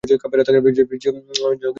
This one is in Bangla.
যা গিয়ে পতিতাবৃত্তি কর!